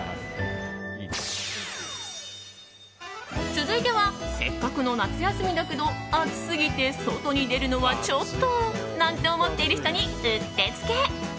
続いてはせっかくの夏休みだけど暑すぎて外に出るのはちょっとなんて思っている人にうってつけ。